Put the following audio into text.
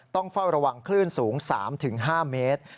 ต้องเฝ้าระวังคลื่นสูง๓๕เมตร